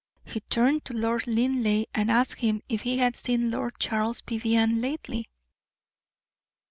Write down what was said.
He turned to Lord Linleigh and asked him if he had seen Lord Charles Vivianne lately.